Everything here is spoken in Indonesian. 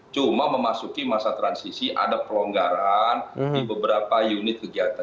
cuma memasuki masa transisi ada pelonggaran di beberapa unit kegiatan